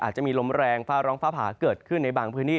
จะมีลมแรงฟ้าร้องฟ้าผ่าเกิดขึ้นในบางพื้นที่